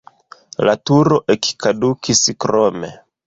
La turo ekkadukis krome.